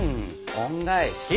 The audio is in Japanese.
恩返し。